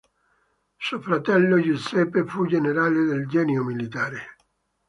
Suo fratello Giuseppe fu generale del Genio Militare.